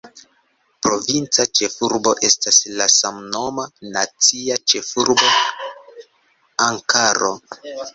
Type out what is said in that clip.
Provinca ĉefurbo estas la samnoma nacia ĉefurbo Ankaro.